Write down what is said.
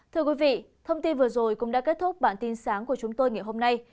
thưa quý vị thông tin vừa rồi cũng đã kết thúc bản tin sáng của chúng tôi ngày hôm nay